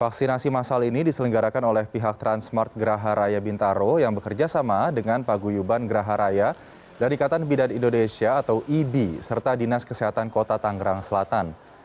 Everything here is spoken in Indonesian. vaksinasi masal ini diselenggarakan oleh pihak transmart geraha raya bintaro yang bekerja sama dengan paguyuban geraha raya dan ikatan bidat indonesia atau ibi serta dinas kesehatan kota tanggerang selatan